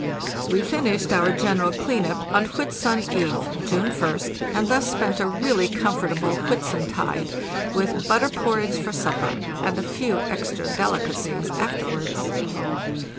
We finished our general clean up on Whitsun eve, June Ist, and thus spent a really comfortable Whitsuntide, with butter porridge for supper and a few extra delicacies afterwards.